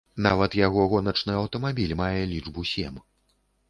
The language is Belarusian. Нават яго гоначны аўтамабіль мае лічбу сем.